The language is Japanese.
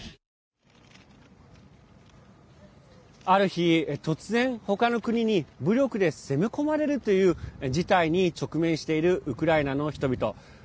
ある日、突然ほかの国に武力で攻め込まれるという事態に直面しているウクライナの人々。